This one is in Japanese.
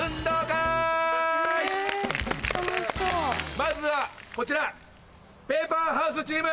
まずはこちら。